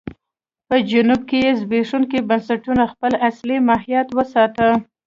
په جنوب کې زبېښونکو بنسټونو خپل اصلي ماهیت وساته.